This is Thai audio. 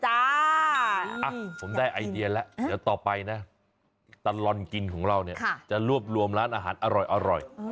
ผมได้ไอเดียแล้วเดี๋ยวต่อไปนะตลอดกินของเราเนี่ยจะรวบรวมร้านอาหารอร่อย